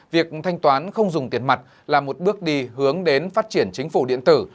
việc thanh toán không dùng tiền mặt là một bước đi hướng đến phát triển chính phủ điện tử